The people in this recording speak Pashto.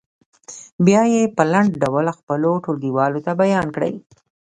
بیا یې په لنډ ډول خپلو ټولګیوالو ته بیان کړئ.